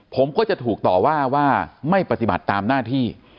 ผมก็จะถูกต่อว่าว่าไม่ปฏิบัติตามหน้าที่